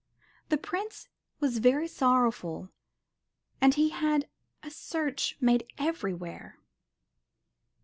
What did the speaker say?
The Prince was very sorrowful and he had a search made everywhere.